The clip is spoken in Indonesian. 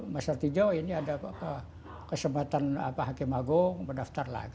mas artijo ini ada kesempatan hakim agung mendaftarlah